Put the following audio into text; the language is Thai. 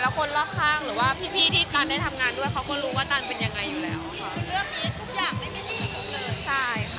แล้วคนล่อข้างหรือว่าพี่ที่ตันได้ทำงานด้วยเขาก็รู้ว่าตันเป็นยังไงอยู่แล้วค่ะ